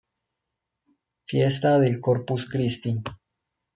Fiesta del Corpus Christi.